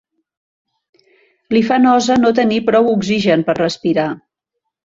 Li fa nosa no tenir prou oxigen per respirar.